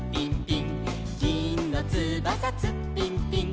「ぎんのつばさツッピンピン」